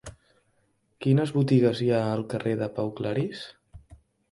Quines botigues hi ha al carrer de Pau Claris?